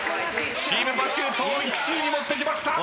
チームパシュートを１位に持ってきました！